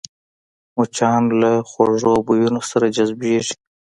مچان له خوږو بویونو سره جذبېږي